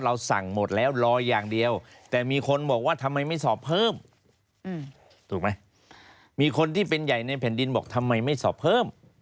ท่านใหญ่ในแผ่นดินบอกทำไมไม่สอบเพิ่ม